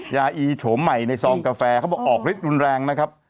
อีโฉมใหม่ในซองกาแฟเขาบอกออกฤทธิรุนแรงนะครับ